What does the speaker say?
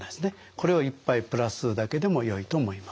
これを１杯プラスするだけでもよいと思います。